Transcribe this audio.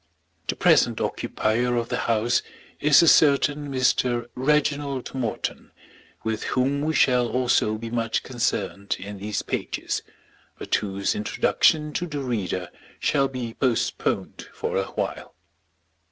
The present occupier of the house is a certain Mr. Reginald Morton, with whom we shall also be much concerned in these pages, but whose introduction to the reader shall be postponed for awhile.